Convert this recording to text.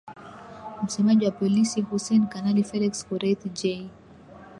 msemaji wa polisi hussen kanali felex kureithi j